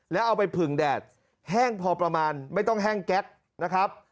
แล้วเอาไปผึ่งแดดแห้งพอประมาณไม่ต้องแห้งแก๊สนะครับ